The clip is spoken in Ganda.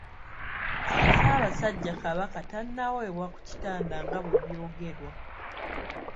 Ssaabasajja Kabaka tannaweebwa ku kitanda nga bwe byogerwa.